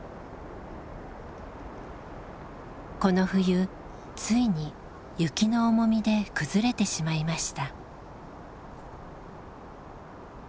この冬ついに雪の重みで崩れてしまいました。